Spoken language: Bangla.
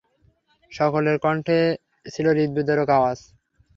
সকলের কণ্ঠে ছিল হৃদয়বিদারক আওয়াজ।